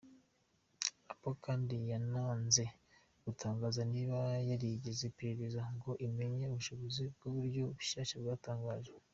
Apple kandi yananze gutangaza niba yarigeze iperereza ngo imenye ubushobozi bw’uburyo bushyashya bwatangajwe.